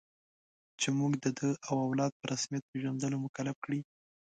چې موږ د ده او اولاد په رسمیت پېژندلو مکلف کړي.